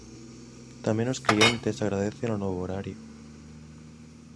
Tamén os clientes agradecen o novo horario.